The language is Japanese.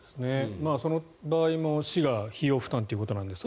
その場合も市が費用負担ということなんですが。